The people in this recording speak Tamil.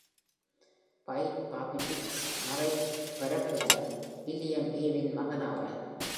White பாப்டிஸ்ட் மறைப் பரப்புநர் William A வின் மகன் ஆவார்.